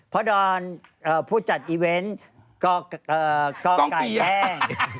เพราะโดนผู้จัดอีเวนต์กล้องกลายแย่ง